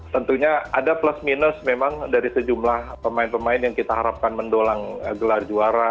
tentunya ada plus minus memang dari sejumlah pemain pemain yang kita harapkan mendolang gelar juara